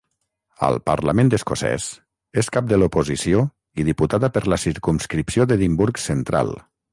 Al Parlament Escocès, és cap de l'oposició i diputada per la circumscripció d'Edimburg Central.